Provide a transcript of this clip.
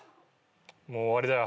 もう終わりだよ。